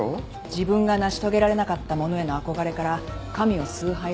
自分が成し遂げられなかったものへの憧れから神を崇拝するの。